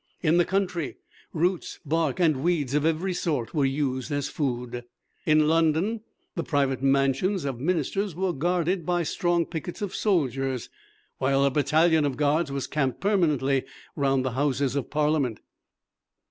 In the country, roots, bark, and weeds of every sort were used as food. In London the private mansions of Ministers were guarded by strong pickets of soldiers, while a battalion of Guards was camped permanently round the Houses of Parliament.